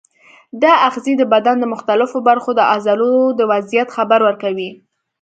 دا آخذې د بدن د مختلفو برخو د عضلو د وضعیت خبر ورکوي.